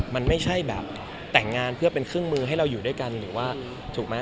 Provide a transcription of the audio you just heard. มันไม่ใช่แบบแต่งงานเพื่อเป็นเครื่องมือให้เราอยู่ด้วยกันหรือว่าถูกไหม